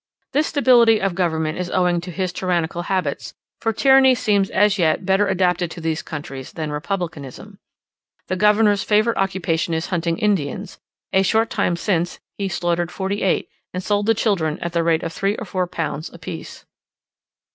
This stability of government is owing to his tyrannical habits; for tyranny seems as yet better adapted to these countries than republicanism. The governor's favourite occupation is hunting Indians: a short time since he slaughtered forty eight, and sold the children at the rate of three or four pounds apiece.